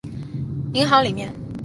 银行里面